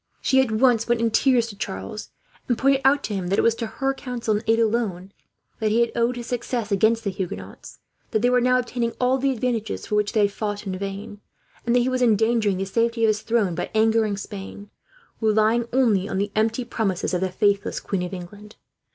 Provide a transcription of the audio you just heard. She at once went in tears to Charles, and pointed out to him that it was to her counsel and aid, alone, that he had owed his success against the Huguenots; that they were now obtaining all the advantages for which they had fought, in vain; and that he was endangering the safety of his throne by angering Spain, relying only on the empty promises of the faithless Queen of England.